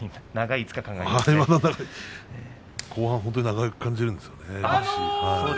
後半本当に長く感じるんですよね。